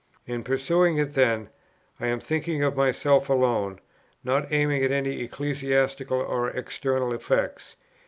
In pursuing it then I am thinking of myself alone, not aiming at any ecclesiastical or external effects.